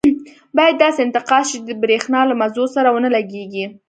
باید داسې انتقال شي چې د بریښنا له مزو سره ونه لګېږي.